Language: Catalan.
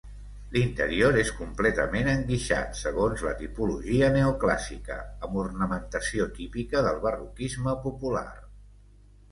L'interior és completament enguixat segons la tipologia neoclàssica, amb ornamentació típica del barroquisme popular.